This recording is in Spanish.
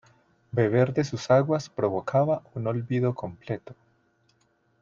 Beber de sus aguas provocaba un olvido completo.